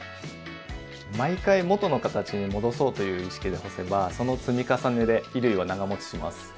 毎回元の形に戻そうという意識で干せばその積み重ねで衣類は長もちします。